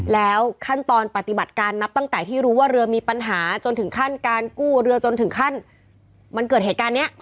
แล้วขั้นตอนปฏิบัติการนับตั้งแต่ที่รู้ว่าเรือมีปัญหาจนถึงขั้นการกู้เรือจนถึงขั้นมันเกิดเหตุการณ์นี้